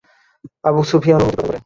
Abu Sufyan অনুমতি প্রদান করে।